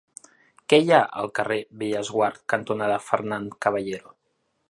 Què hi ha al carrer Bellesguard cantonada Fernán Caballero?